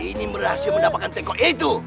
gini berhasil mendapatkan tegok itu